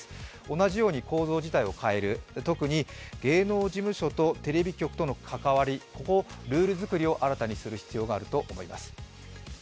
同じように構造自体を変える、特に芸能事務所とテレビ局との関わりここのルール作りを新田にする必要があると思います。